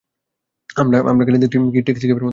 আমার গাড়ি দেখতে কি ট্যাক্সি ক্যাবের মত?